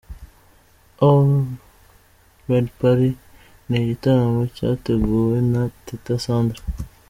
All Red Party ni igitaramo cyateguwe na Teta Sandra.